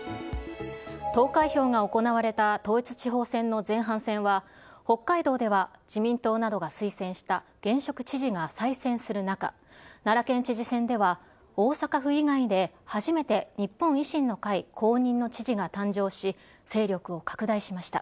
投開票が行われた統一地方選の前半戦は、北海道では自民党などが推薦した現職知事が再選する中、奈良県知事選では、大阪府以外で初めて、日本維新の会公認の知事が誕生し、勢力を拡大しました。